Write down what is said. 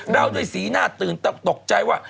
ราวด้วยสีหน้าตืนตกใจว่า